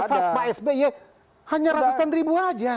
pada saat pak sby ya hanya ratusan ribu aja